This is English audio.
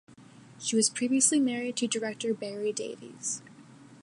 She was previously married to director Barry Davies.